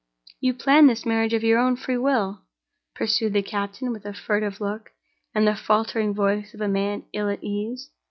"You planned this marriage of your own freewill," pursued the captain, with the furtive look and the faltering voice of a man ill at ease.